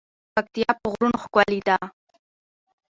پکتيا په غرونو ښکلی ده.